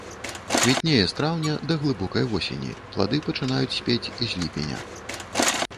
Квітнее з траўня да глыбокай восені, плады пачынаюць спець з ліпеня.